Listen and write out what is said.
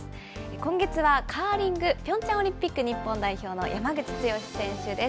今月はカーリング、ピョンチャンオリンピック日本代表の山口剛史選手です。